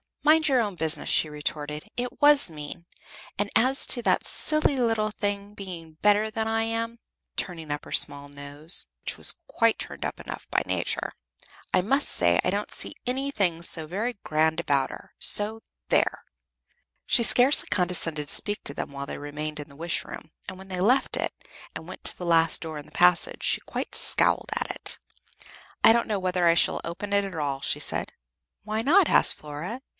"Mind your own business," she retorted. "It was mean; and as to that silly little thing being better than I am," turning up her small nose, which was quite turned up enough by Nature "I must say I don't see anything so very grand about her. So, there!" She scarcely condescended to speak to them while they remained in the Wish room, and when they left it, and went to the last door in the passage, she quite scowled at it. "I don't know whether I shall open it at all," she said. "Why not?" asked Flora.